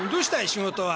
仕事は」。